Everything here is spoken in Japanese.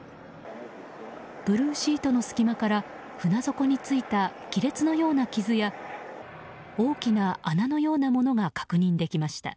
ブルーシートの隙間から船底についた亀裂のような傷や大きな穴のようなものが確認できました。